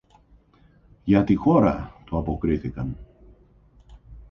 Για τη χώρα, του αποκρίθηκαν.